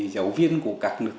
giáo viên của các nước